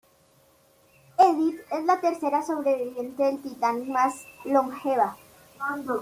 Edith es la tercera sobreviviente del Titanic más longeva.